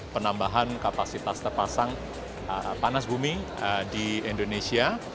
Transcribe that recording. penambahan kapasitas terpasang panas bumi di indonesia